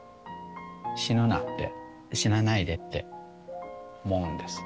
死ぬなって死なないでって思うんです。